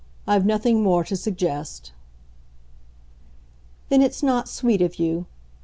I've nothing more to suggest." "Then it's not sweet of you."